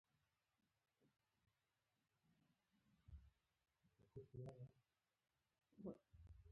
زده کړه د نجونو وړتیاوې راسپړي.